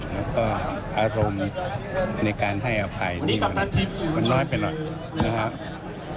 แล้วก็อารมณ์ในการให้อภัยนี่มันน้อยไปหน่อยนะครับ